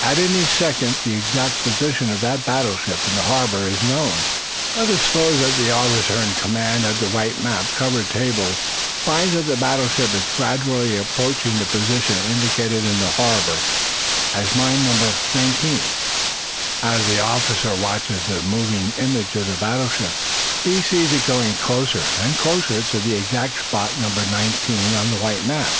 At any second the exact position of that battleship in the harbor is known. Let us suppose that the officer in command at the white, map covered table finds that the battleship is gradually approaching the position indicated in the harbor as mine number nineteen; as the officer watches the moving image of the battleship, he sees it going closer and closer to the exact spot numbered nineteen or the white map.